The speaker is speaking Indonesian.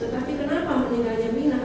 tetapi kenapa meninggalnya minang